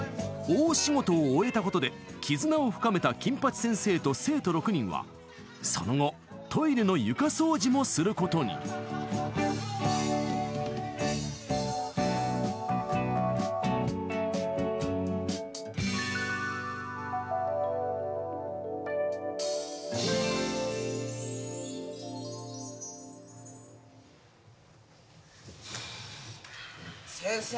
大仕事を終えたことで絆を深めた金八先生と生徒６人はその後トイレの床掃除もすることに先生